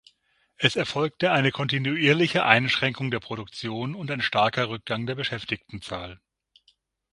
Es erfolgte eine kontinuierliche Einschränkung der Produktion und ein starker Rückgang der Beschäftigtenzahl.